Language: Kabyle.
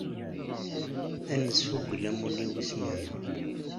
Ad nesfugel amulli wis meyya.